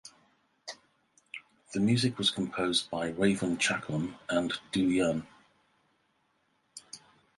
The music was composed by Raven Chacon and Du Yun.